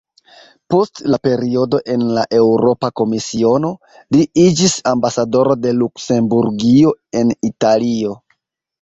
Post la periodo en la Eŭropa Komisiono, li iĝis ambasadoro de Luksemburgio en Italio.